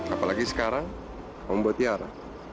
apalagi sekarang kamu buat tiara